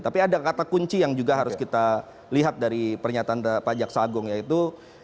tapi ada kata kunci yang juga harus kita lihat dari pernyataan pak jaksa agung yaitu